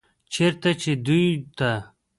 چرته چې دوي ته